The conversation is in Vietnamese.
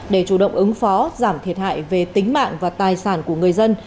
để chủ động ứng phó giảm thiệt hại về tính mạng và tài sản của người dân